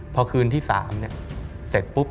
พอคืนที่สามเนี่ยเสร็จปุ๊บ